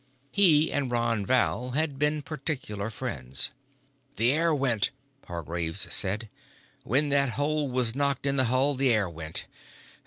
He and Ron Val had been particular friends. "The air went," Hargraves said. "When that hole was knocked in the hull, the air went.